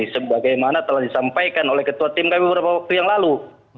sebagaimana telah disampaikan oleh ketua tim kami beberapa waktu yang lalu